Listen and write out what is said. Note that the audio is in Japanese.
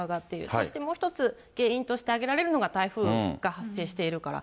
そしてもう一つ、原因として挙げられるのが、台風が発生しているから。